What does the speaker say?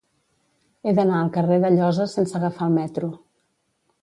He d'anar al carrer d'Alloza sense agafar el metro.